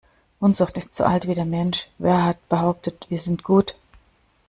Unzucht ist so alt wie der Mensch - wer hat behauptet wir sind gut?